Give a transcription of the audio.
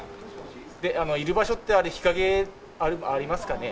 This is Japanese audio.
いる場所って、日陰ありますかね。